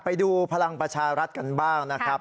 ไปดูพลังประชารัฐกันบ้างนะครับ